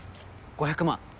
５００万